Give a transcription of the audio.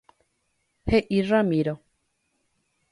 He'i Ramiro.